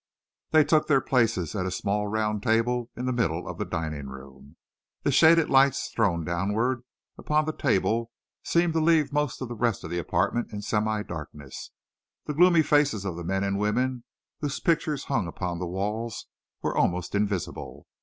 They took their places at a small round table in the middle of the dining room. The shaded lights thrown downwards upon the table seemed to leave most of the rest of the apartment in semi darkness. The gloomy faces of the men and women whose pictures hung upon the walls were almost invisible.